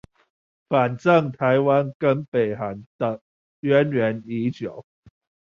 反正台灣跟北韓的淵源已久